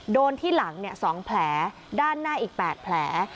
โดนที่หลัง๒แผลด้านหน้าอีก๘แผล